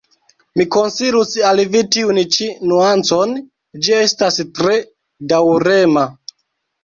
Mi konsilus al vi tiun ĉi nuancon; ĝi estas tre daŭrema.